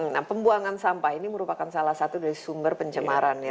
nah pembuangan sampah ini merupakan salah satu dari sumber pencemaran ya